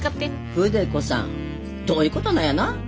筆子さんどういうことなんやな？